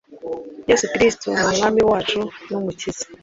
yesu kristo ni umwami wacu n'umukiza